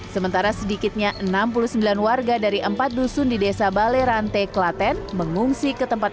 sementara sedikitnya enam puluh sembilan warga dari empat dusun di desa balerante klaten mengungsi ke tempat